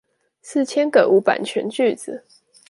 四千個無版權句子